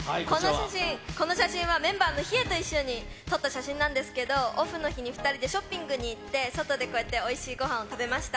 この写真はメンバーのヒエと一緒に撮った写真なんですけど、オフの日に２人でショッピングに行って、外でこうやって、おいしいごはんを食べました。